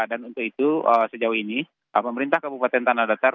dan untuk itu sejauh ini pemerintah kabupaten tanah datar